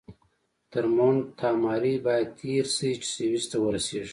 تر مونټ تاماري باید تېر شئ چې سویس ته ورسیږئ.